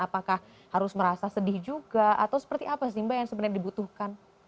apakah harus merasa sedih juga atau seperti apa sih mbak yang sebenarnya dibutuhkan